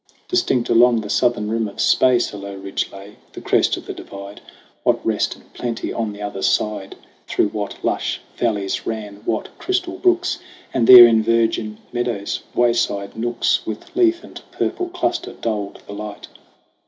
Distinct along the southern rim of space A low ridge lay, the crest of the divide. What rest and plenty on the other side ! Through what lush valleys ran what crystal brooks ! And there in virgin meadows wayside nooks With leaf and purple cluster dulled the light